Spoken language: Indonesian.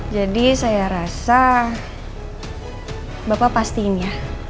jadi saya rasa bapak pastiin ya